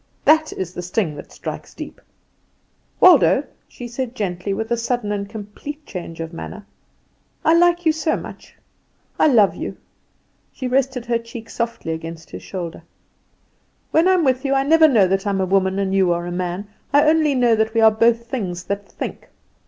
That is the sting that strikes deep. Waldo," she said gently, with a sudden and complete change of manner, "I like you so much, I love you." She rested her cheek softly against his shoulder. "When I am with you I never know that I am a woman and you are a man; I only know that we are both things that think.